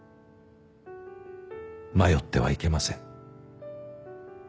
迷ってはいけません。